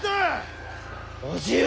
叔父上！